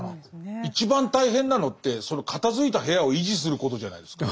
一番大変なのってその片づいた部屋を維持することじゃないですか。